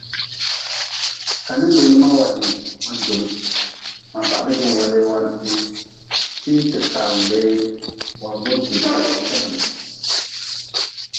Ka ni looli ma wadii ma jum, ma bahdg-n welee wantee, tii-n te kaan lee wan-buntee kenim.